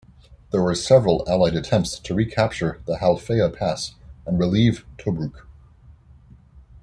There were several allied attempts to recapture the Halfaya Pass and relieve Tobruk.